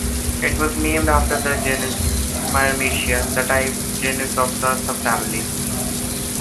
It was named after the genus "Myrmecia", the type genus of the subfamily.